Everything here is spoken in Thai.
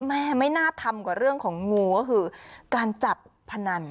แม่ไม่น่าทำกว่าเรื่องของงูก็คือการจับพนัน